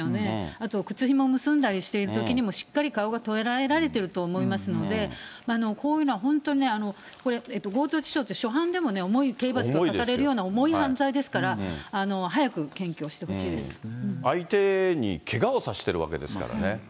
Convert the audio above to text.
あと靴ひもを結んだりしているときにも、しっかり顔が捉えられてると思いますので、こういうのは本当にね、これ、強盗致傷って初犯でも重い刑罰が科されるような重い犯罪ですから、相手にけがをさせてるわけですからね。